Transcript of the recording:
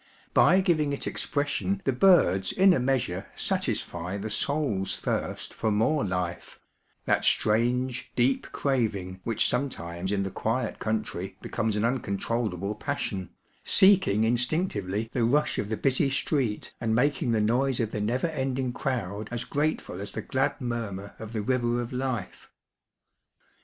By giving it expression the birds in a measure satisfy the soul's thirst for more life ŌĆö ^that strange, deep craving which sometimes in the quiet country becomes an uncontrollable passion, seeking instinctively the ruidi of the busy street and making the noise of the never ending crowd as grateful as the glad murmur of the river of life.